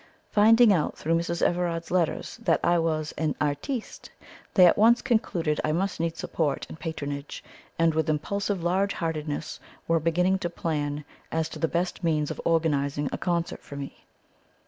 Finding out through Mrs. Everard's letter that I was an "artiste" they at once concluded I must need support and patronage, and with impulsive large heartedness were beginning to plan as to the best means of organizing a concert for me.